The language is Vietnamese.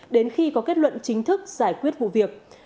đến khi có kết luận chính thức giải quyết vụ việc